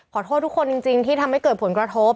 ขอโทษทุกคนจริงที่ทำให้เกิดผลกระทบ